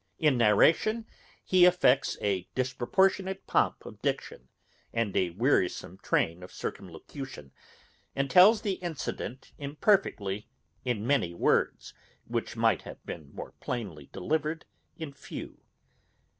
In narration he affects a disproportionate pomp of diction, and a wearisome train of circumlocution, and tells the incident imperfectly in many words, which might have been more plainly delivered in few.